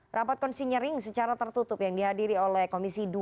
rapat konsinyering secara tertutup yang dihadiri oleh komisi dua